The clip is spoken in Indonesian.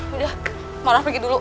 udah marwah pergi dulu